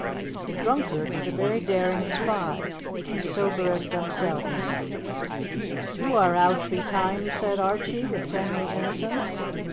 The drunkard was a very daring spy, as sober as themselves. "You are out betimes," said Archie, with friendly innocence.